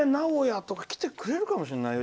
来てくれるかもしれないよ